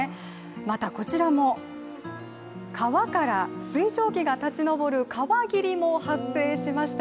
またこちらも川から水蒸気が立ち上る川霧も発生しました。